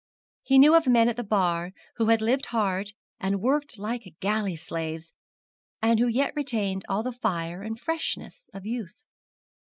He knew of men at the Bar who had lived hard and worked like galley slaves, and who yet retained all the fire and freshness of youth.